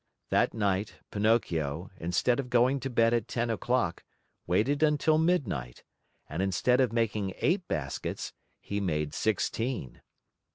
That night, Pinocchio, instead of going to bed at ten o'clock waited until midnight, and instead of making eight baskets, he made sixteen.